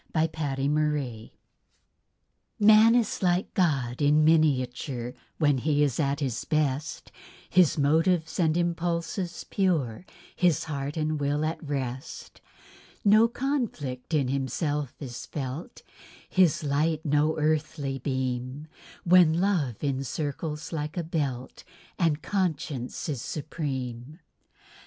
A SUFFERING GOD Man is like God in miniature, When he is at his best; His motives and impulses pure, His heart and will at rest; No conflict in himself is felt, His light no earthly beam, While love encircles like a belt, And conscience is supreme.